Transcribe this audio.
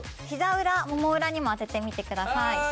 ひざ裏もも裏にも当ててみてください。